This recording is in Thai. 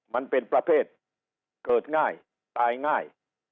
มันเป็นประเภทเกิดง่ายตายง่าย